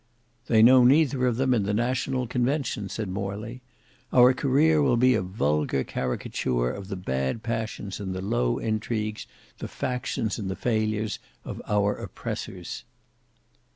"They know neither of them in the National Convention," said Morley. "Our career will be a vulgar caricature of the bad passions and the low intrigues, the factions and the failures, of our oppressors."